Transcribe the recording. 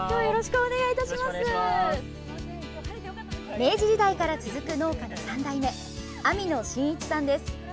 明治時代から続く農家の３代目・網野信一さんです。